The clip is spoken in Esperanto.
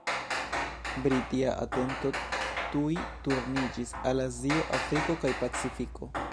Britia atento tuj turniĝis al Azio, Afriko, kaj Pacifiko.